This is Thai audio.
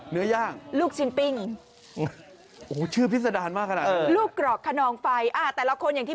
ลูกกรอกคนนองไฟนะคะ